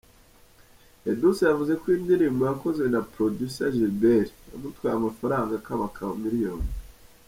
Edouce yavuze ko iyi ndirimbo yakozwe na Producer Gilbert, yamutwaye amafaranga akabakaba miliyoni.